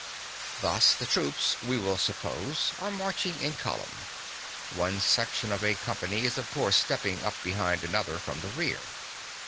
(15) Thus, the troops, we will suppose, are marching in column; one section of a company is of course stepping up behind another from the rear.